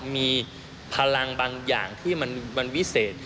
มีพลังบางอย่างที่มันวิเศษ